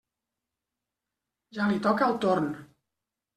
Ja li toca el torn.